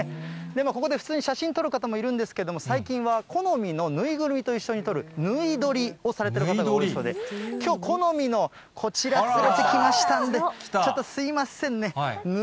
ここで普通に写真を撮る方もいるんですけれども、最近は好みの縫いぐるみと一緒に撮る、ぬい撮りをされてる方が多いそうで、きょう、好みのこちら、連れてきましたんで、ちょっとすみませんね。